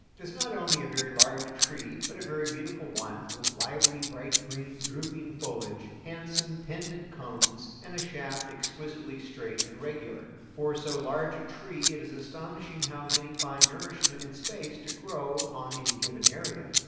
It is not only a very large tree but a very beautiful one, with lively bright green drooping foliage, handsome pendent cones, and a shaft exquisitely straight and regular. For so large a tree it is astonishing how many find nourishment and space to grow on any given area.